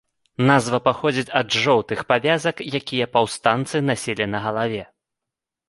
Назва паходзіць ад жоўтых павязак, якія паўстанцы насілі на галаве.